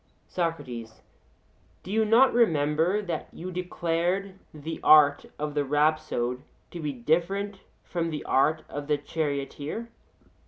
SOCRATES: Do you not remember that you declared the art of the rhapsode to be different from the art of the charioteer?